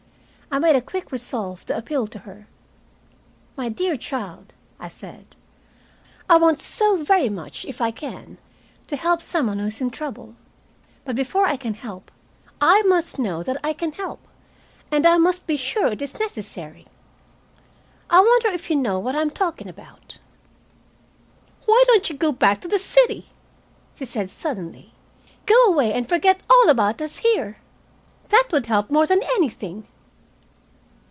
I made a quick resolve to appeal to her. "My dear child," I said, "I want so very much, if I can, to help some one who is in trouble. But before I can help, I must know that I can help, and I must be sure it is necessary. I wonder if you know what I am talking about?" "Why don't you go back to the city?" she said suddenly. "Go away and forget all about us here. That would help more than anything."